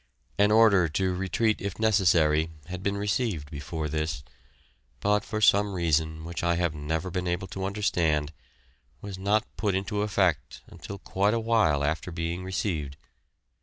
An order to "retreat if necessary" had been received before this, but for some reason, which I have never been able to understand, was not put into effect until quite a while after being received.